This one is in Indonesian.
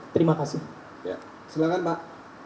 terima kasih silahkan pak